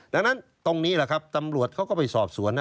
ดังนั้นตรงนี้แหละครับตำรวจเขาก็ไปสอบสวนนะ